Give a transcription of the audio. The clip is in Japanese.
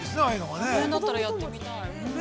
◆あれだったらやってみたい。